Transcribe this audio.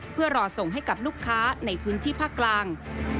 เพื่อรอส่งให้กับลูกค้าในพื้นที่ภาคกลาง